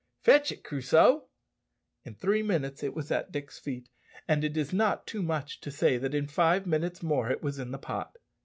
"Fetch it, Crusoe." In three minutes it was at Dick's feet, and it is not too much to say that in five minutes more it was in the pot.